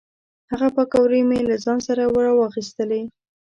هغه پیکورې مې له ځان سره را واخیستلې.